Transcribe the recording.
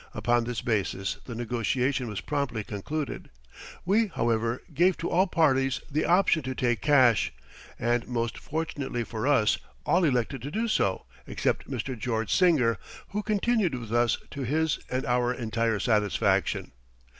Upon this basis the negotiation was promptly concluded. We, however, gave to all parties the option to take cash, and most fortunately for us, all elected to do so except Mr. George Singer, who continued with us to his and our entire satisfaction.